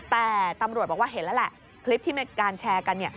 แต่ตำรวจบอกว่าเห็นแล้วแหละคลิปที่มีการแชร์กันเนี่ย